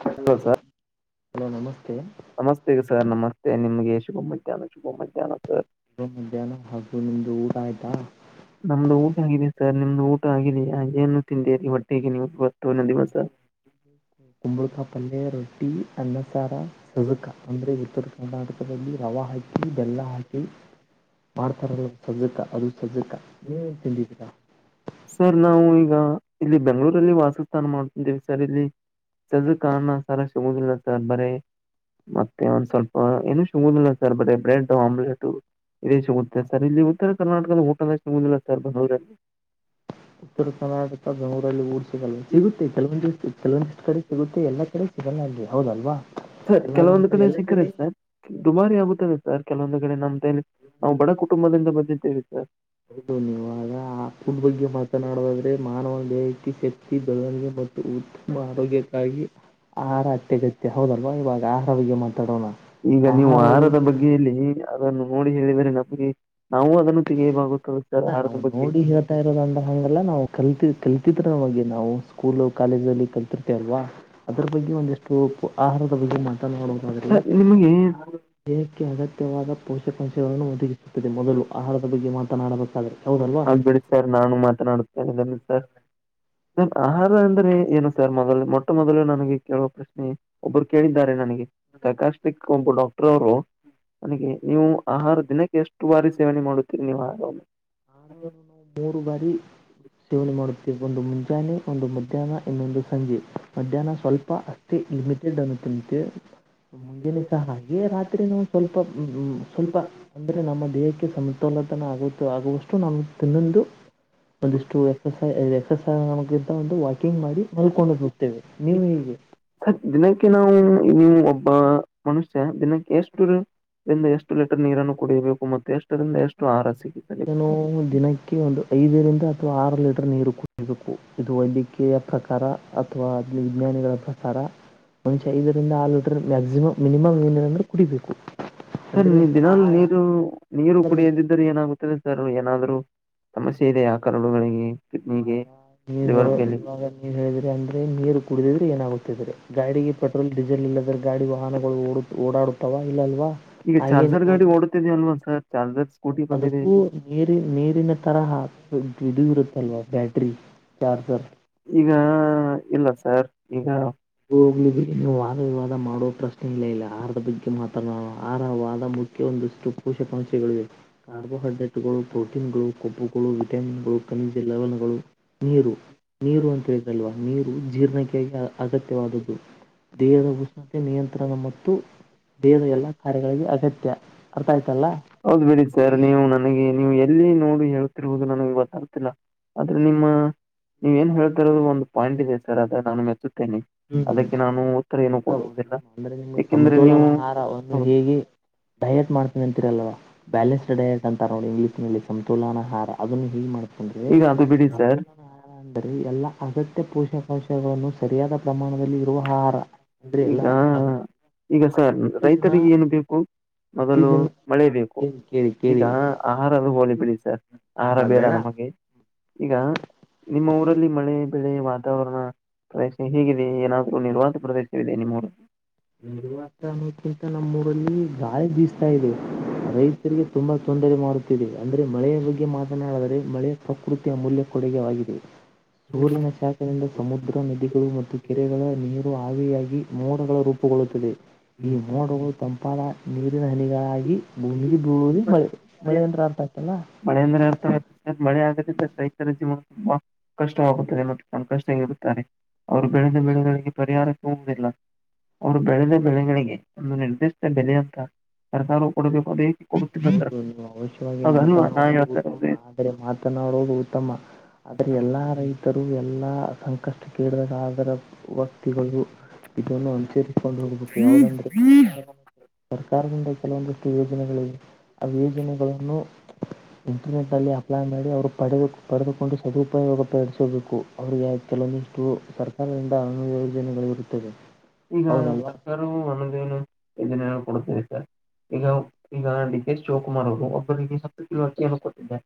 ಹ ಸ ನಮಸ್ತೆಗೆ ಸರ್ ನಮಸ್ತೆ ನಿಮ್ಗೆ ಶುಭ ಮಧ್ಯಾಹ್ನ ಶುಭ ಮಧ್ಯಾಹ್ನ ಸರ್ ಮಧ್ಯಾಹ್ನ ಹಾಗೂ ನಿಮ್ದು ಊರ ಆಯ್ತಾ ನಮ್ದು ಊಟ ಆಗಿದೆ ಸರ್ ನಿಮ್ದು ಊಟ ಆಗಿದ ಏನು ತಿಂದಿರಿ ಒಟ್ಟಿಗೆ ನೀವು ಇತ್ತುನ ದಿವಸ ಕುಂಬಳಕ ಪಲ್ಯ ರೊಟ್ಟಿ ಅನ್ನಸಾರ ಸಜುಕ ಅಂದ್ರೆ ಉತ್ತರ ಕರ್ನಾಟಕ ರವ ಹಾಕಿ ಬೆಲ್ಲ ಹಾಕಿ ಮಾಡ್ತಾರಲ್ಲ ಸಜತ ಅದು ಸಜ ಹ್ಮ್ ಚಂದತಿದ್ದಾ ಸರ್ ನಾವು ಈಗ ಇಲ್ಲಿ ಬೆಂಗಳೂರಲ್ಲಿ ವಾಸಸ್ಥಾನ ಮಾಡ್ತಿದ್ದೀವಿ ಸರ್ ಇಲ್ಲಿ ಸದು ಕಣ ಸರಸುಮುದಿಲ್ಲ ಸರ್ ಬರೇ ಮತ್ತೆ ಒಂದ್ ಸ್ವಲ್ಪ ಏನು ಶುುದಿಲ್ಲ ಸರ್ ಬರ ಬ್ರೆಡ್ ಆಮ್ಲೆಟ್ ಇದ ಸರ್ ಇಲ್ಲಿ ಉತ್ತರ ಕರ್ನಾಟಕದಲ್ಲಿ ಹೋಟೆಲ್ಷ್ ಮುಂದಿಲ್ಲ ಸರ್ ಬಂದವರಲ್ಲಿ ಉರಲ್ಲಿ ಊಡ್ ಸಿಗಲ್ಲ ಸಿಗುತ್ತೆ ಕೆಲವೊಂದಿಷ್ಟು ಕೆಲವೊಂದಿಷ್ಟು ಕಡೆ ಸಿಗುತ್ತೆ ಎಲ್ಲ ಕಡೆ ಸಿ ಚನ್ನ ಹೌದಲ್ವಾ ಸರ್ ಇವಾಗ ಕೆಲವೊಂದು ಎಲ್ಲ ಸಿಕ್ಕರೆ ಕಡೆ ಸರ್ ದುಬಾರಿ ಆಗುತ್ತದೆ ಸರ್ ಕೆಲವೊಂದು ಕಡೆ ನಮ್ದ ನಾವು ಬಡ ಕುಟುಂಬದಿಂದ ಬಂದಿದ್ದೇವೆ ಸರ್ ಹೌದು ನೀವಾಗ ಆ ಫುಡ್ ಬಗ್ಗೆ ಮಾತನಾಡುದಾದ್ರೆ ಮಾನವ ದಯಕತಿ ಶಕ್ತಿ ಬೆಳವಣಿಗೆ ಮತ್ತು ತುಂಬಾ ಆರೋಗ್ಯಕ್ಕಾಗಿ ಆಹಾರ ಅತ್ಯಗತ್ಯ ಹೌದಲ್ವಾ ಇವಾಗ ಆಹಾರಿಗೆ ಮಾತಾಡೋಣ ಈಗ ನೀವು ಆಹಾರವು ಆಹಾರದ ಬಗ್ಗೆಲ್ಲಿ ಅದನ್ನು ನೋಡಿ ಹೇಳಿದರೆ ನಮಗೆ ತೆಗೆವಾಗುತ್ತದೆ ಅಲ್ಲ ನಾವು ನೋಡಿ ಹೇಳ್ತಾ ಇರೋದಂದ ಹಂಗಲ್ಲ ನಾವು ಕಲ್ತ ಕಲ್ತಿದ್ರ ನಗೆ ನಾವು ಸ್ಕೂಲು ಕಾಲೇಜ ಅಲ್ಲಿ ಕಲಿತಿರ್ತ ಅಲ್ವಾ ಅದ್ರ ಬಗ್ಗೆ ಒಂದಿಷ್ಟು ಆಹಾರದ ಬಗ್ಗೆ ಮಾತಾ ನೋಡೋದಾದೆ ನಿಮ್ಗೆ ಏನು [unintelligible] ಕ್ಕೆ ಅಗತ್ಯವಾದ ಪೋಷಕಾಂಶಗಳನ್ನು ಒದಗಿಸುತ್ತದೆ ಮೊದಲು ಆಹಾರದ ಬಗ್ಗೆ ಮಾತನಾಡಬ ಆಗ್ಬೇಡಿ ಸರ್ ನಾನು ಮಾತನಾಡುತ್ತೇನೆ ಸರ್ ಸ ಆಹಾರ ಅಂದ್ರೆ ಏನು ಸರ್ ಮೊದಲು ಮೊಟ್ಟ ಮೊದಲು ನನಗೆ ಕೇಳುವ ಪ್ರಶ್ನೆ ಒಬ್ರು ಕೇಳಿದ್ದಾರೆ ನ ನನಗೆಕಾಸ್ಟಿಕ್ ಒಂಪು ಡಾಕ್ಟರ್ ಅವರು ನನಗೆ ನೀವು ಆಹಾರ ದಿನಕ್ಕೆ ಎಷ್ಟು ಬಾರಿ ಸೇವನೆ ಮಾಡುತ್ತೀರಿ ನೀವು ಆಹಾರ ಮೂರು ಬಾರಿ ಸೇವನೆ ಮಾಡುತ್ತೇವೆ ಒಂದು ಮುಂಜಾನೆ ಒಂದು ಮಧ್ಯಾಹ್ನ ಇನ್ನೊಂದು ಸಂಜೆ ಮಧ್ಯಾಹ್ನ ಸ್ವಲ್ಪ ಅಷ್ಟೇ ಲಿಮಿಟೆಡ್ ಅನ್ನು ತಿಂತ ಮುಂದೆನೆ ಸಹ ಹಾಗೆ ರಾತ್ರಿ ನ ಸ್ವಲ್ಪ ಸ್ವಲ್ಪ ಅಂದ್ರೆ ನಮ್ಮ ದೇಹಕ್ಕೆ ಸಮತೋಲನ ಆಗುತ್ತ ಆ ನಾನ್ನೊಂದು ಒಂದಿಷ್ಟು ಎಕ್ಸಸೈದು ಎಕ್ಸಸೈ ನ ಕಿಂಗ್ ಮಾಡಿ ಮಲ್ಕೊಂಡು ಬಿಡ್ತೇವೆ ನೀವು ಹೇಗೆ ಸರ್, ದಿನಕ್ಕೆ ನಾವು ನೀವು ಒಬ್ಬ ಮನುಷ್ಯ ದಿನಕ್ಕೆ ಎಷ್ಟ ಎಷ್ಟು ಲೀಟರ್ ನೀರನ್ನು ಕುಡಿಯಬೇಕು ಮತ್ತು ಎಷ್ಟರಿಂದ ಎಷ್ಟು ಆರಸಿ ನಾನು ದಿನಕ್ಕೆ ಒಂದು ಐದರಿಂದ ಅಥವಾ ಆರು ಲೀಟರ್ ನೀರು ಕುಡಿಯಬೇಕು ಇದು ವೈದ್ಯಕೀಯ ಪ್ರಕಾರ ಅಥವಾ ಅ ವಿಜ್ಞಾನಿಗಳತ ಪ್ರಕಾರ್ ಐದರಿಂದ ಆರು ಲೀಟರ್ ಮಕ್ಸಿಮಮ್ ಮಿನಿಮಮ್ ಏನೇಂದ್ರರೆ ಕುಡಿಬೇಕು ಸರ್ ಅಂದ್ರೆ ದಿನಾಲು ಆಹಾರ ನೀರು ನೀರು ಕುಡಿಯದಿದ್ದ್ರ ಏನಾಗುತ್ತದೆ ಏನಾದ್ರು ಸಮಸ್ಯೆ ಇದೆ ಆ ಕರು ಗಳಿಗೆ ನೀವ ಇವಾಗ ನೀವ ಹೇಳಿದ್ರಿ ಅಂದ್ರೆ ನೀರು ಕುಡಿದಿದ್ರೆ ಏನಾಗುತ್ತಿದ್ರೆ ಗಾಡಿಗೆ ಪಟ ಡಿಸೆಲ್ ಇಲ್ಲದ್ರೆ ಗಾಡಿ ವಾಹನಗಳು ಓಡ ಓಡಾಡುತ್ತಾವ ಇಲ್ಲ ಅಲ್ವಾ ಈಗ ಹಾಗೆ ಚಾರ್ಜರ್ ನೀವು ಗಾಡಿ ಓಡುತ್ತಿದ ಅಲ್ವಾಸ ಚಾರ್ಜರ್ ಸ್ಕೂಟಿ ಬಂದಿದೆ ಅದಕ್ಕೂ ನೀರಿ ನೀರಿನ ತರ ಇ ಇರುತ್ತಲ್ವಾ ಬ್ಯಾಟ್ರಿ ಹ ಚಾರ್ಜರ್ ಈಗ ಇಲ್ಲ [unintelligible] ಸರ್ ಈಗ ಹ ಹೋಗ್ಲಿದ್ರೆ ಇನ್ನನ್ನು ವಾದ ವಿವಾದ ಮಾಡುವ ಪ್ರಶ್ನೆ ಇಲ್ಲ ಇಲ್ಲ ಆಹಾರದ ಬಗ್ಗೆ ಮಾತ್ರ ಆಹಾರವಾದ ಮುಖ್ಯ ಒಂದಷ್ಟು ಪೋಷಕಾಂಶಗಳಿವೆ ಕಾರ್ಬೋಹೈಡ್ರೇಟ್ಗಳು ಪ್ರೋಟೀನ್ ಗಳು ಕೊಬ್ಬುಗಳು ವಿಟಾಮಿನ್ ಗಳು ಖನಿಜ ಲವಣಗಳು ನೀರು ನೀರು ಅಂತ ಇದಲ್ವಾ ನೀರು ಜೀರ್ಣಕ್ರಿಯೆ ಅಗತ್ಯವಾದುದು ದೇಹದ ಉಷ್ಣತೆ ನಿಯಂತ್ರಣ ಮತ್ತು ದೇಹದ ಎಲ್ಲ ಕಾರ್ಯಗಳಿಗೆ ಅಗತ್ಯ ಅರ್ಥ ಆಯ್ತಲ್ಲ ಹೌದ್ ಬಿೇಡಿ ಸರ್ ನೀವು ನನಗೆ ನೀವು ಎಲ್ಲಿ ನೋಡಿ ಹೇಳ್ತಿರ್ವುದು ನನಗೆ ಗೊತ್ತಾಗತಿಲ್ಲ ಆದ್ರೆ ನಿಮ್ಮ ನೀವ ಏನ್ ಹೇಳ್ತರೋದು ಒಂದು ಪಾಯಿಂಟ್ ಇದೆ ಸರ್ ಅದ ನಾನು ಮೆ ಹ್ಮ್. ಅದಕ್ಕೆ ರಚಿತ ನಾನು ಉತ್ತರ ಏನು ಉತ್ತಮ ಕೊಡುವುದಿಲ್ಲ ಅಂದ್ರೆ ನಿಮ್ಗೆ ಏಕೆಂದ್ರೆ ನೀವು ಸಮತೋಲನ ಆಹಾರವನ್ನು ಹೇಗೆ ಡಯಟ್ ಮಾಡ್ತೀನೀ ಅಂತಿರಲ್ಲವ ಬ್ಯಾಲೆನ್ಸ್ಡ್ ಡಯಟ್ ಅಂತ ನೋಡಿ ಇಂಗ್ಲೀಷ್ ನಲ್ಲಿ ಸಮ ತೋಲನ ಆಹಾರ ಅದನ್ನು ಹ ೊಂಡ ಈಗ ಅದು ರ ಬಿಡಿ ಸರ್ ಸಂಂತು [unintelligible] ರೆ ಎಲ್ಲಾ ಅಗತ್ಯ ಪೋಷಕಾಂಶಗಳನ್ನು ಸರಿಯಾದ ಪ್ರಮಾಣದಲ್ಲಿ ಇರುವ ಹ ಆಹಾರ ಅಂದ್ರೆ ಈಗ ಎಲ್ಲ ಪ್ರತಿದಿನ ಈಗ ಸರ್ ರೈತರಿಗೆ ಏನು ಬೇಕು ಮೊದಲು ಪ್ರತಿದಿನ ಮಳೆ ಬೇಕು ಕೇಳಿ ಕೇಳಿ ಈಗ ಕೇಳಿ ಆಹಾರದ ಹ ಬಿ ಸ ಆಹಾರ ಬೇಡ ನಮಗೆ ಈಗ ನಿಮ್ಮ ಊರಲ್ಲಿ ಮಳೆ ಬೆಳೆ ವಾತಾವರಣ ಪ್ರದೇಶ ಹೇಗಿದೆ ಏನಾದರೂ ನಿರ್ವಾತ ಪ್ರದೇಶವಿದೆ ನಿಮ್ಮ ಹೋಡ ನಿರ್ವತ ಅನ್ನೋದಕ್ಕಿಂತ ನಮ್ಮ್ ಊರಲ್ಲಿ ಗಾಳಿ ಬೀಸ್ತಾ ಇದೆ ರೈತರಿಗೆ ತುಂಬಾ ತೊಂದರೆ ಮಾಡುತ್ತ ಅಂದರೆ ಮಳೆಯ ಬಗ್ಗೆ ಮಾತನಾಡಿದರೆ ಮಳೆಯ ಪ್ರಕೃತಿಯ ಮೌಲ್ಯ ಕೊಡುಗೆವಾಗಿದೆ ಸೂರ್ಯ ನ ಶಾಖೆಯಿಂದ ಮಳೆ ಸಮುದ್ರ ನದಿಗಳು ಮತ್ತು ಕೆರೆಗಳ ನೀರು ಹಾವಿಯಾಗಿ ಮೋಡಗಳು ರೂಪುಗೊಳ್ಳುತ್ತದೆ ಈ ಮೋಡಗಳು ತಂಪಾದ ನೀರಿನ ಹನಿಗಾಗಿ ಭೂಮಿಗೆ ಬೂಳಿ ಮಳೆ ಮಳೆಂದರ ಅರ್ಥ ಆಗ್ತ ಮಳೆ ಅಂದ್ರೆ ಇರ್ತ ಮಳೆ ಆದ್ರೆ ರೈತರ ಜೀವನ ತುಂಬಾ ಕಷ್ಟವಾಗುತ್ತದೆ ಕಷ್ಟಗ ಇರುತ್ತಾರೆ ಅವರು ಬೆಳೆದ ಬೆಳೆಗಳ ಪರಿಹಾರ ಸೂಕ್ತ ಇಲ್ಲ ಅವರು ಬೆಳೆದ ಬೆಳೆಗಳಿಗೆ ಒಂದು ನಿರ್ದಿಷ್ಟ ಬೆಲ ಅಂತ ಸರ್ಕಾರವು ಕೊಡಬೇಕು. ಅದು ಏಕೆ ಕೊಡುತ್ತಿಲ್ಲ ಸರ್ ಹೌದು ನೀವು ಅವಶ್ಯವಾಗಿ ಮಾತ ಅದನ್ನು ನಾ ಹೇಳ್ತಾ ಉತ್ತ ಆದ್ರೆ ಮಾತನಾಡೋುದು ಉತ್ತಮ ಆದ್ರ ಎಲ್ಲಾ ರೈತರು ಎಲ್ಲ. ಸಂಕಷ್ಟ ಕೆಡದಾಗ ಅದ. ವ್ಯಕ್ತಿಗಳು ಇದನ್ನು ಅಂಚರಿಸಿಕೊಂಡು ಹೋಗಬೇಕು ಯಾವವುದಂದ್ರೆ ಸರ್ಕಾರದ ಸರ್ಕಾರದಿಂದ ಕೆಲವೊಂದಷ್ಟು ಯೋಜನೆಗಳೆ ಯೋಜನೆಗಳನ್ನು ಇಂಟರ್ನೆಟ್ ಇರೋದು ನಲ್ಲಿ ಅಪ್ಲೈ ಮಾಡಿ. ಅವರು ಪಡೆದುು ಪಡೆದುಕೊಂಡು ಸದುೂಪಾಯೋಗ ಪಡಿಸಬೇಕು ಅವಿಗೆ ಕೆಲವೊಂದಿಷ್ಟು ಸರ್ಕಾರದಿಂದ. ಯೋಜನೆಗಳ ಇರುತ್ತದೆ. ಈಗ ಸರ್ಕಾರವು ಒನ್ನದೇನು ಯೋಜನೆ. ಕೊಡ್ತಿದೆ ಸರ್ ಈಗ ಈಗ ಅಕ್ಕೆ ಸೋಕ್ ಮಾಡೋುದು ಒಬ್ಬಿಗೆ ಹತ್ತು ಕಿ ಅ ಕೊಟ್ಟೆ.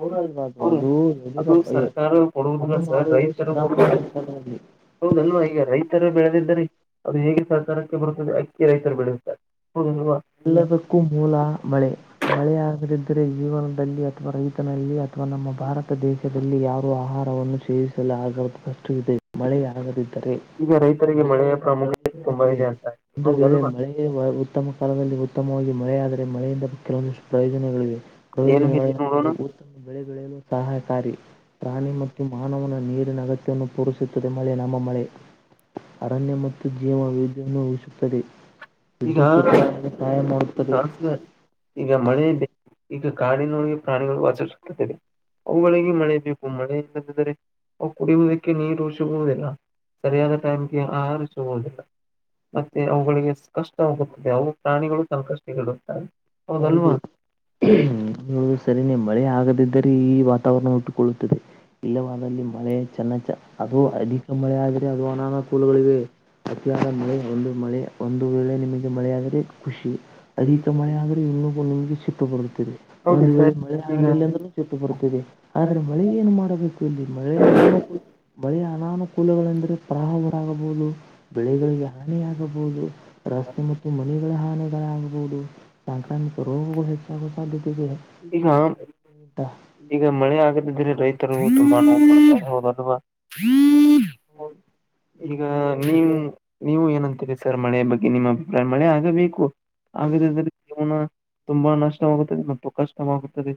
ಅವ್ರಲ್ವಾ ಅದು ಅದು ಅದು ಯಡಿಯೂರಪ್ಪ ಸರ್ಕಾರ ಕೊಡುವುದನ್ನ ಅದು ಸಹ ಮಾಡುವುದು ರೈತರು. ಸಿದ್ದರಾಮಯ್ಯ ಸರ್ಕಾರದಲ್ಲಿ ಹೌದಲ್ವಾ ಈಗ ರೈತರು ಬೆಳೆದಿದ್ದರಿ. ಅದು ಹೇಗೆ ಸರ್ಕಾರಕ್ಕೆ ಬರುತ್ತದೆ ಅಕ್ಕಿ ರೈತರು ಬೆಳೆಯುತ್ತಾರೆ. ಹೌದಲ್ವಾ ಎಲ್ಲದಕ್ಕೂ ಮೂಲ ಬಳೆ ಬಳೆ ಆದ್ರಿದ್ದ ರೆ ಜೀವನದಲ್ಲಿ ಅಥವಾ ರೈತನಲ್ಲಿ ಅಥವಾ ನಮ್ಮ ಭಾರತ ದೇಶದಲ್ಲಿ ಯಾರು ಆಹಾರವನ್ನು ಸೇವಿಸಲು ಆಗಷ್ಟು ಇದೆ ಮಳೆ ಆಗದಿದ್ದ. ಈಗ ರೈತರಿಗೆ ಮಳೆಯ ಪ್ರಾಮುಖ್ಯತೆ ತುಂಬಾ ಇದೆ ಅಂತ ಪ್ರವೇಶನ ಒಂದು ವೇಳೆ ಹೌದಲ್ವಾ ಮಳೆಯ ಉತ್ತಮ. ಕಾಲದಲ್ಲಿ ಉತ್ತಮವಾಗಿ ಮಳೆ ಆದರೆ ಮಳೆಯಿಂದ. ಕೆಲವೊಂದಷ್ಟು ಪ್ರಯೋಜನಗಳಿವೆ ಏನು ಹೇಳಿ ಪ್ರಯೋಜನಗಳೇನೆಂದ ನೋಡೋಣ ಉತ್ತಮ ಬೆಳೆ ಬೆಳೆಯಲು ಸಹಾಯಕಾರಿ. ಹಾಣಿ ಮತ್ತು ಮಾನವನ ನೀರಿನ ಅಗತ್ಯವನ್ನು ಪೂರಿಸುತ್ತದೆ ಮಳೆ ನಮ್ಮ ಮಳೆ ಅರಣ್ಯ ಮತ್ತು. ಜೀವ ವಿನ್ನು ಉಹಿಸುತ್ತದೆ ಈಗ ವಿದ್ಯುತ್ ಉತ್ಪ ಸಹಾಯ ಮಾಡ. ಈಗ ಮಳೆ ಈಗ ಕಾಡಿನೊಳಗೆ ಪ್ರಾಣಿಗಳು ಆಚರಿಸುತ್ತದೆ. ಅವುಗಳಿಗೆ ಮಳೆ ಬೇಕು ಮಳೆ ಇಲ್ಲದಿದ್ದರೆ ಅವು ಕುಡಿಯುವುದಕ್ಕೆ ನೀರುಷಗುವುದಿಲ್ಲ. ಸರಿಯಾದ ಟೈಮ್ ಆಹರ್ಚ ಹುದಿಲ್ಲ. ಮತ್ತೆ ಅವುಗಳಿಗೆ ಕಷ್ಟವೋಗುತ್ತದೆ ಅವರು ಪ್ರಾಣಿಗಳು ಸಂಕಷ್ಟ. ಹೌದು ಹ್ಮ ನುದು ಸರಿನೇ ಮಳೆ ಆಗದಿದ್ದರೆ ಈ. ಹಟ್ಟುಕೊಳ್ಳುತ್ತದೆ ಇಲ್ಲವಾದಲ್ಲಿ ಮಳೆ ಚನ್ನ ಅದು ಅಧಿಕ ಮಳೆ. ಅದುನಾನ ಪೂಲಗಳಿವೆ ಅತಿಯಾದ ಮಳೆ ಒಂದು. ಮಳೆ ಒಂದು ವೇಳೆ ನಿಮಗೆ ಮಳೆ ಆದ್ರೆ ಖುಷಿ ಅಧಿಕ ಮಳೆ ಆದ್ರೆ ಇನ್ನುೂ ನಿಮಗೆ ಚುಟ್ಟು ಬರುತ್ತಿದೆ ಹೌದು ಒಂದು ವೇಳೆ ಸರ್ ಮಳೆ ಈಗ ಆಗಲಿಲ್ಲ ಅಂದ್ರೂ ಚುಟ್ಟು ಬರುತ್ತಿದೆ ಆದ್ರೆ ಮಳೆ ಏನು ಮಾಡಬೇಕು ಇಲ್ಲಿ. ಮಳೆಯ ಮಳೆಯ ಅನಾನುಕೂಲಗಳೆಂದ್ರರೆ ಪ್ರಹರಾಗಬಹುದು. ಬೆಳೆಗಳಿಗೆ ಹಾನಿಿಯಾಗಬಹುದು ರಸ್ತೆ ಮತ್ತು ಮನೆಗಳ ಹಾನಿಗಳಾಗಬಹುದು. ಸಾಂಕ್ರಾಮಿಕ ರೋಗಗಳು ಹೆಚ್ಚಾಗುವ ಸಾಧ್ಯತೆ ಇದೆ. ಈಗ ಈಗ ಮಳೆ ಆಗದಿದ್ರೆ ರೈತ. [unintelligible] ಹೌ ಈಗ ನೀವು ನೀವು ಏನಂತ. ಸರ್ ಮಳೆ ಬಗ್ಗೆ ನಿಮ್ಮ ಅಭಿಪ್ರಾಯ ಮಳೆ ಆಗಬೇಕು ಆಗದನ. ತುಂಬಾ ನಷ್ಟವಾಗುತ್ತದೆ ಮತ್ತು ಕಷ್ಟವಾಗುತ್ತದೆ.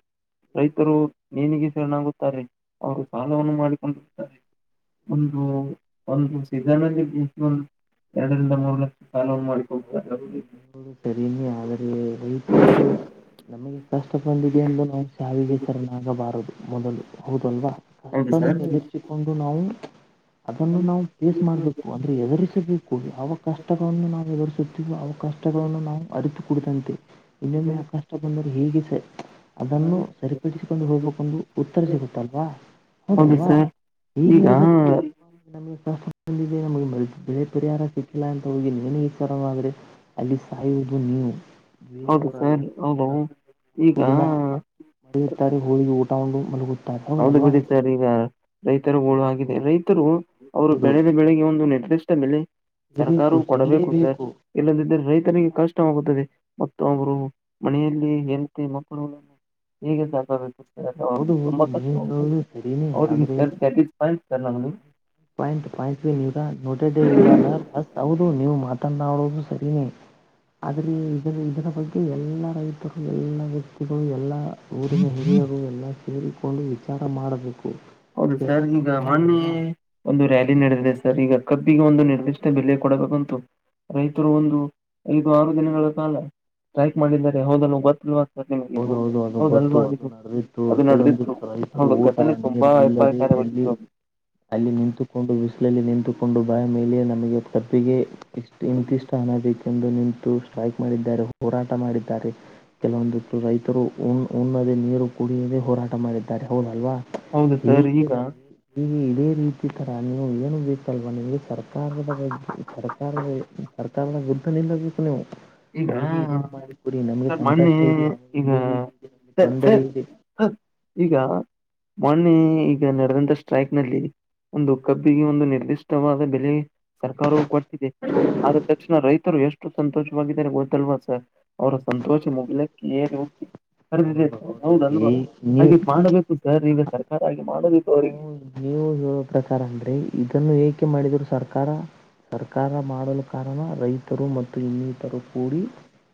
ರೈತರು ನೇನಿಗೆ ಶರಣಾಗುತ್ತಾರೆ ಅವರು ಸಾಲವನ್ನು ಮಾಡಿಕೊಂಡಿರುತ್ತಾರೆ. ಒಂದು ಒಂದು ಸೀಸನ್ಲ್ಲಿ ಬ ಒ ಎರಡರಿಂದ ಮೂರು ಲಕ್ಷ ಸಾಲವನ್ನು ಮಾಡ. ೋ ಸರಮ ಆದರೆ ರ. ನಮಗೆ ಕಷ್ಟ ಬಂದಿದೆ ಎಂದು ನಾವು ಸಾವಿಗೆ ಸರಣಾಗಬಾರದು ಮೊದಲು ಹೌದಲ್ವಾ. ಹೌದು ಸರ್ ಎದುರಿಸಿಕೊಂಡು ನಾವು. ಅದನ್ನು ನಾವು ಫೇಸ್ ಮಾಡ್ಬೇಕು ಅಂದ್ರೆ ಎದುರಿಸಬೇಕು ಯಾವ ಕಷ್ಟಗಳನ್ನು ನಾವು ಎದುರಿಸ ಅವಕಾಷ್ಟಗಳನ್ನು ನಾವು ಅರಿತುಕಡತಂತೆ ಇನ್ನೊಮ್ಮೆ ಆ ಕಾಷ್ಟ ಬಂದರು ಹೇಗೆ ಸ. ಅದನ್ನು ಸರಿಪಡಿಸಿಕೊಂಡು ಹೋಗ್ಬೇಕಂದು ಉತ್ತರಿಸ ಸಿಗುತ್ತಲ್ವಾ ಹೌದು ಹೌದಲ್ವಾ. ಸರ್ [unintelligible] ಂದ ಈಗ ನಮಗೆ ಬೆಳೆ ಪರಿಹಾರ ಸಿಕ್ಕಿಲ್ಲ ಅಂತ ಹೋಗಿ ನನ ಈಚಾರವ್ರೆ ಅಲ್ಲಿ ಸಾಯುದ. ಹ ನೀ. ಹೌದು ಬೇರೆಯವರಲ್ಲ ಸರ್ ಹೌದು ಈಗ ನಾಲ್ಕು ದಿನ ಮ ಇರ್ತಾರೆ ಹೋಳಿಗೆ ಊಟಗೊಂಡು ಹೌದು ಬಿಡ ಸರ್ ಈಗ ರೈತರ ೋಳು ಆಗಿದೆ ರೈತರು ಅವ್ರು ಹೌದು ಬೆಳೆದ ಬೆಳಿಗ್ಗೆ ಒಂದು ನಿರ್ದಿಷ್ಟ ಬೆಲೆ ಸಿಗಬೇಕು ಸರ್ಕಾರವು ಕೊಡಬೇಕು ಸರ್ ಸಿಗಲೇಬೇಕು ಇಲ್ಲದಿದ್ದರೆ ರೈತನಿಗೆ ಕಷ್ಟವಾಗುತ್ತದೆ ಮ ಒಬ್ರು ಮನೆಯಲ್ಲಿ ಹೆಳ್ತಿ ಮಕ್ಕಳುಗಳನ್ನು ಹೇಗೆ ಸಾಕಾಗುತ್ತೆ ಅವ ಹೌದು ಹೌದು ತುಂಬಾ ನೀವ್ ಕಷ್ಟ ಹೇಳುದು ಸರಿನೇ ಅವ ಆದ್ರೆ sir that is fine sir ನ ಹೌದು ನೀವುತ್ರ ನ್ನ ಅವಳೋದು ಸರಿನೇ ಆದ್ರೆ ಇದರ ಇದರ ಬಗ್ಗೆ ಎಲ್ಲಾ ರೈತರು ಎಲ್ಲಾ ವ್ಯಕ್ತಿಗಳು ಎಲ್ಲಾ ಊರಿಗೆ ಹ ಎಲ್ಲ ಸೇರಿಕೊಂಡು ವಿಚಾರ ಮಾಡಬೇಕು ಹೌದು ಸರ್ ಈಗ ಮಣ್ಣೆ ಒಂದು ರ್ಯಾಲಿ ನಡೆದಿದೆ ಸರ್ ಈಗ ಕಬ್ಬಿಗೆ ಒಂದು ನಿರ್ದಿಷ್ಟ ಬೆಲೆ ಕೊಡಬೇಕಂತು ರೈತರು ಒಂದು ಐದು ಆರು ದಿನಗಳ ಕಾಲ ಸೈಕ್ ಮಾಡಿದ್ದಾರೆ ಹೌದಲ್ ಗೊ ಹೌದ ಹೌದು ಅದು ಗೊತ್ತು ಅದು ನಡೆದಿಿದ್ದು ಅದು ನಡೆದಿತ್ತು ಕೆಲೊಂದಿತ್ತು ರೈತರು ಹೌದು ಊಟ ಘಟನೆ ತುಂಬಾ ನೀರು ಇಲ್ಲದೆ ಎಲ್ಲಿ ಅಪಾಯಕಾರಿಯಾಗಿತ್ತು ಅದು ಅಲ್ಲಿ ನಿಂತುಕೊಂಡು ಬಿಸಿಲಲ್ಲಿ ನಿಂತುಕೊಂಡು ಬಾಯ ಮೇಲೆ ನಮಗೆ ಕಬ್ಬಿಗೆ ಇಷ್ಟು ಇಂತಿಷ್ಟು ಹನ ಬೇಕೆಂದು ನಿ ಸ್ಟ್ರೈಕ್ ಮಾಡಿದ್ದಾರೆ ಹೋರಾಟ ಮಾಡಿದ್ದಾರೆ ಕೆಲವೊಂದು ಉನ್ನದೇ ನೀರು ಕುಡಿಯದೆೇ ಹೋರಾಟ ಮಾಡಿದ್ದಾರೆ ಹ ಅಲ್ವಾ ಹೌದು ಹ ಸರ್ ಈಗ ಅೇ ರೀತಿ ತರ ನೀವು ಏನು ಬೇಕಲ್ವಾ ನಿಮ್ಗೆ ಸರ್ಕಾರದ ಬಗ್ಗೆ ಸರ್ಕಾರದ ತಮೇಲೆ ಗುದ್ಧನಿಂದಿ ಕುನವು ಈಗ ಮೆ ಸಂಕಷ್ಟ ಇದೆ ನಮಗೆ ಈಗ ಇದು ರೀತಿ ಇದೆ ನಮಗೆ ತೊಂದರೆ ಇದೆ ಈಗ ಮೊನೆ ಈಗ ನಡೆದಂತ ಸ್ಟ್ರೈಕ್ ನಲ್ಲಿ ಒಂದು ಕಬ್ಬಿಗೆ ಒಂದು ನಿರ್ದಿಷ್ಟವಾದ ಬೆಲೆ ಸರ್ಕಾರವುೂ ಕೊಡ್ತಿದೆ ಆದ ತಕ್ಷಣ ರೈತರು ಎಷ್ಟು ಸಂತೋಷ ಗೊತ್ತಲ್ವಾ ಸ ಅವರ ಸಂತೋಷ ಮುಗಲಕ್ಕೆ ಹೋಗಿ ಕರೆದಿದೆ ಹೇ ಹೌದಲ್ವಾ ಹಾಗೆ ನೀವು ಮಾಡಬೇಕು ಸರ್ ಈಗ ಸರ್ಕಾರ ಹಾಗಿ ಮಾಡಬೇಕು ನಾವು ಅವರಿಗೆ ನೀವು ಪ್ರಕಾರ ಅಂದ್ರೆ ಇದನ್ನು ಏಕೆ ಮಾಡಿದಿದರು ಸರ್ಕಾರ ಸರ್ಕಾರ ಮಾಡಲು ಕಾರಣ ರೈತರು ಮತ್ತು ಇನ್ನಿತರು ಕೂಡಿ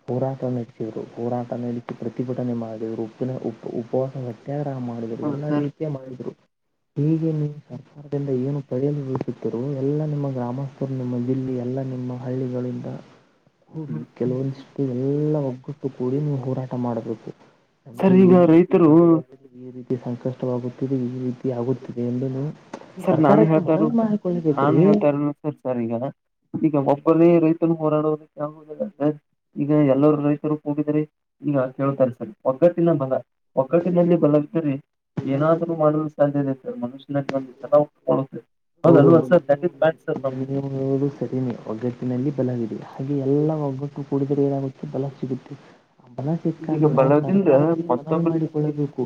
ಹೋರಾಟ ನಡೆ ರು ಹೋರಾಟ ನಡೆಸಿ ಪ್ರತಿಭಟನೆ ಮಾಡಿದವರು ಉಪ್ಪಿನ ಉ ಉಪವಾಸ ಸತ್ಯಾಗ್ರಹ ಮಾಡಿದರು ಹೌದು ಎಲ್ಲ ಸರ್ ರೀತಿ ೆ ಮಾಡಿದ್ರು ಹೀಗೆ ನೀವು ಸರ್ಕಾರದಿಂದ ಏನು ಪಡೆಯಲು ವಿಸುತ್ತಿರೋ ಎಲ್ಲಾ ನಿಮ್ಮ ಗ್ರಾಮಸ್ಥರು ನಿಮ್ಮ ಜಿಲ್ಲೆ ಎಲ್ಲ ನಿಮ್ಮ ಹಳ್ಳಿಗಳಿಂದ ಕೂಡಿ ಕೆಲವೊಂದಿಷ್ಟು ಎಲ್ಲ ಒಗ್ಗಟ್ಟು ಕೂಡಿ ನೀವು ಹೋರಾಟ ಮಾಡಬೇಕು ನಮಗೆ ಸರ್ ಈ ಈಗ ರೀತಿ ತೊಂದರೆ ರೈತರು ಆಗುತ್ತಿದೆ ಈ ರೀತಿ ಸಂಕಷ್ಟವಾಗುತ್ತಿದೆ ಈ ರೀತಿ ಆಗುತ್ತಿದೆ ಎಂದ ಸರ್ ನಾನು ಹೇಳ್ತಾರೋ ನಾನು ರೀ ಹೇಳ್ತಾರ ಸರ್ ಸರ್ ಈಗ ಈಗ ರೈತು ಮೋರಡುವುದು ಕ ಈಗ ಎಲ್ಲರ ರೈತರು ಕೂಗಿದರೆ ಈಗ ಕೇಳ್ತಾರೆ ಸರಿ ಒಗ್ಗತ್ತಿಲ್ಲ ಮಲ್ಲ ಒಗಟ್ಟಿನಲ್ಲಿ ಬಲವರಿ ಏನಾದ್ರು ಮಾಡಲು ಸಾಧ್ಯತೆ ಸ ಮನುಷ್ಯನಲ್ಲಿ ಬಂದ ಹೌ ಹೌದು ನೀುದು ಸರಿನೇ ಒಗ್ಗಟ್ಟಿನಲ್ಲಿ ಬಲವಿದೆಯಾ ಹಾಗೆ ಎಲ್ಲ ಒಗ್ಗಟ್ಟು ಕುೂಡಿದ್ರೆ ಏನಾಗುತ್ತೆ ಬಲ ಸಿಗುತ್ತೆ ಆಂಬಲ ಈಗ ಸಿಕ್ಕಾಗ ನಾವು ಬಲದಿಂದ ಸರ್ಕಾರದಲ್ಲಿ ಮನವಿ ಮತ್ತೊಬ್ಬರಿಗೆ ಮಾಡಿಕೊಳ್ಳಬೇಕು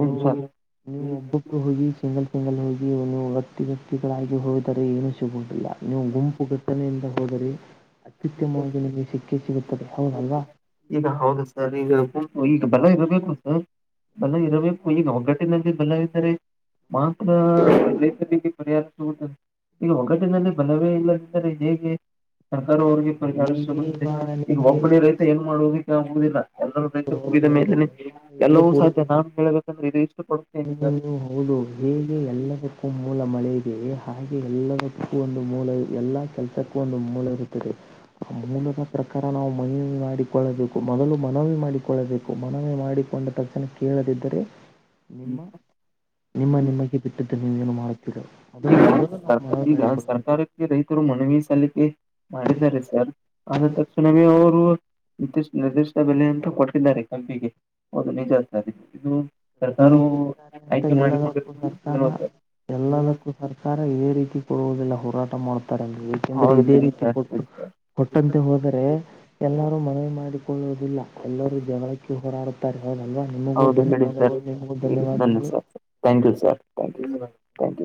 ನೀವು ಹೌದು ಸರ್ ನೀವು ಒಬ್ಬೊಬ್ರು ಹೋಗಿ ಸಿಂಗಲ್ ಸಿಂಗಲ್ ಹೋಗಿ ನೀವು ವತಿಿ ವ್ಯಕ್ತಿಗಳಾಗಿ ಹೋದಿದರೆ ಏನುೂ ಸಿಗುವುದಿಲ್ಲ ನೀವು ಗುಂಪು ಟ್ಟನೆಯಿಂದ ಸೌೋದರಿ ಅತಿುತ್ತಮ ಸಿಕ್ಕ ಸಿಗುತ್ತದೆ ಹೌದಲ್ವಾ ಈಗ ಹೌದು ಸರ್ ಈಗ ಈಗ ಬಲ ಇರಬೇಕು ಸ ಬಲ ಇರಬೇಕು ಈಗ ಒಗ್ಗಟ್ಟಿನಲ್ಲಿ ಬಲ ಇದ್ದಾರೆ ಮಾತ್ರತತಿ ಪ ಶ ಈಗ ಒಗ್ಗಟ್ಟಿನಲ್ಲಿ ಬಲವೇ ಇಲ್ಲದಂದರೆ ಹೇಗೆ ಯ ಅವ್ರಿಗೆ ಪರಿ ಈ ವಾರ ಈಗ ನಿಮಗೆ ಒಬ್ಬನಿ ರೈತ ಏನ್ ಮಾಡ್ಬೇಕಕ್ಕೆ ಅಗುದಿಲ್ಲ ಎಲ್ಲರೂ ರೈ ಹೌದು ಕುಡಿದ ಹೌದು ಮೇಲನೆ ಎಲ್ಲಾ ರೈತರು ಎಲ್ಲವೂ ಕೂಡ ಸಾಧ್ಯ ನಾನನ್ ಹೇಳಬೇಕಂದ್ರೆ ಇದು ಇಷ್ಟ ಪಡ ನೀವು ಹೌದು ಹೇಗೆ ಎಲ್ಲದಕ್ಕ ಮೂಲ ಮಳೆ ಇದೆ ಹಾಗೆ ಎಲ್ಲಕ್ಕೂ ಒಂದು ಮೂಲ ಎಲ್ಲಾ ಕೆಲ್ಸಕ್ಕೂ ಒಂದು ಮೂಲ ಇರುತ್ತದೆ ಮೂ ಮಾತ್ರ ಪ್ರ ನಾವು ಮನವಿ ಮಾಡಿಕೊಳ್ಳಬೇಕು ಮೊದಲು ಮನವಿ ಮಾಡಿಕೊಳ್ಳಬೇಕು ಮನವಿ ಮಾಡಿಕೊಂಡ ತಕ್ಷಣ ಕೇಳದ ಇದ್ದರೆ ನಿಮ್ಮ ನಿಮ್ಮ ನಿಮಗೆ ಬಿಟ್ಟಿದ್ದ ನೀವ ಏನು ಈಗ ಮಾಡುತ್ತೀರದನ್ನು ನಾವು ಸರ್ಕ ಮನ ಈಗ ಮಾಡಿಕಡುದು ಸರ್ಕಾರಕ್ಕೆ ರೈತರು ಮನವಿ ಸಲ್ಲಿಕೆ ಮಾಡಿದ್ದಾರೆ ಸರ್ ಆದ ತಕ್ಷಣವೇ ಅವರು ನಿರ್ದಿಷ್ಟ ನಿರ್ದಿಷ್ಟ ಬೆಲೆ ಅಂತ ಕೊಟ್ಟಿದ್ದಾರೆ ಕಂಪಿಗೆ ಅದು ನಿಜ ಅ ಇದು ಸರ್ಕಾರವು ನಿಲ್ಲಿಸುತ್ತಿದ್ದಾರೆ ಅಂತ ಆಯ್ಕೆ ಎಲ್ಲದಕ್ಕೂ ಮಾಡಿಕೊಟ್ಟಿರ್ದು ಸರ್ಕಾರ ಕೆಲವತ್ತ ಎಲ್ಲದಕ್ಕೂ ಸರ್ಕಾರ ಇದ ರೀತಿ ಕೊಡುವುದಿಲ್ಲ ಹೋರಾಟ ಏಕೆಂದ್ರೆ ಹೌದು ಇದೇ ಬಿಡಿ ರೀತಿ ಸರ್ ಕೊಟ್ಟು ಸರಿ ಸರ್ ಕೊಟ್ಟಂತೆ ಹೋದರೆೆ ಎಲ್ಲರೂ ಮನವಿ ಮಾಡಿಕೊಳ್ಳುವುದಿಲ್ಲ ಎಲ್ಲರೂ ಜಗಳಕ್ಕೆ ಹೋರಾಡುತ್ತಾರೆ ಹೌದು ಹ್ರಮ್ಮ ದನ್ಯವಾದಗಳು ಧನ್ sir thank you sir thank